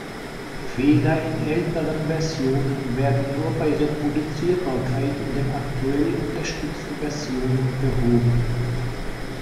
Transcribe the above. Fehler in älteren Versionen werden nur bei Reproduzierbarkeit in den aktuell unterstützen Versionen behoben.